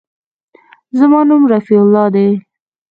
زما نوم رفيع الله دى.